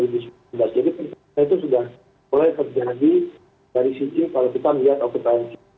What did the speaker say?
jadi itu sudah mulai terjadi dari sisi kalau kita lihat okupansi